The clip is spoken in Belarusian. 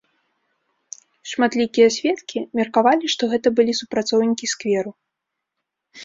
Шматлікія сведкі меркавалі, што гэта былі супрацоўнікі скверу.